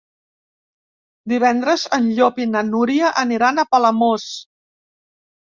Divendres en Llop i na Núria aniran a Palamós.